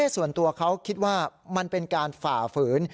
ส่วนตัวเขาคิดว่ามันเป็นการฝ่าฝืน